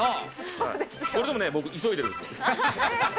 これでもね、僕、急いでるんですよ。